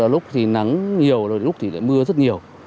lúc thì nắng nhiều lúc thì mưa rất nhiều